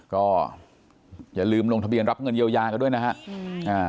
ก็อย่าลืมลงทะเบียนรับเงินเยียวยากันด้วยนะฮะ